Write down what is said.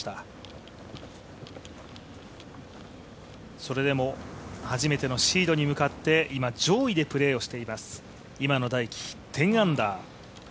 それでも初めてのシードに向かって、今上位でプレーをしています、今野大喜、１０アンダー。